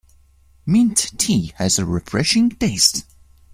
Mint tea has a refreshing taste.